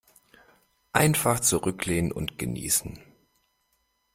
Einfach zurücklehnen und genießen.